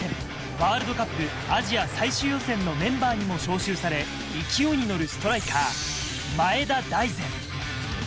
ワールドカップアジア最終予選のメンバーにも招集され勢いにのるストライカー・前田大然。